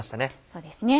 そうですね。